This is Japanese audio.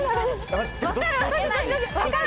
分かるわけない。